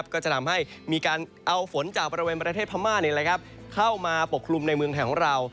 ก็จะทำให้มีการเอาฝนจากบริเวณประเทศพม่าเข้ามาปกคลุมในเมืองไทยของเรา